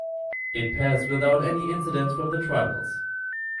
It passed without any incidents from the tribals.